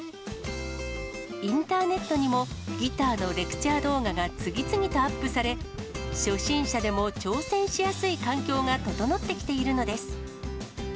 インターネットにもギターのレクチャー動画が次々とアップされ、初心者でも挑戦しやすい環境が整ってきているのです。